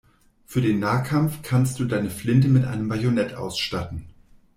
Für den Nahkampf kannst du deine Flinte mit einem Bajonett ausstatten.